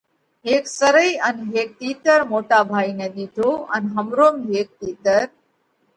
هيڪ سرئي ان هيڪ تِيتر موٽا ڀائِي نئہ ۮِيڌو ان همروم هيڪ تِيتر